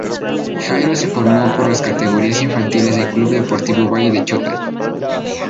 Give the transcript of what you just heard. Jairo se formó en las categorías infantiles del Club Deportivo Valle del Chota.